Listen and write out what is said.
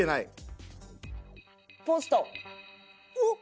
おっ！